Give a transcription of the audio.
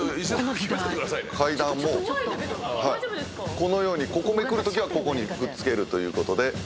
このようにここめくるときはここにくっつけるということで。